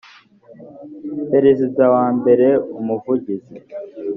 perezida wa mbere umuvugizi